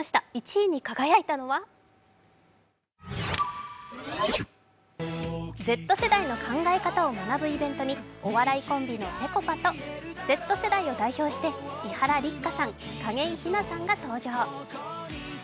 １位に輝いたのはＺ世代の考え方を学ぶイベントにお笑いコンビのぺこぱとＺ世代を代表して伊原六花さん、景井ひなさんが登場。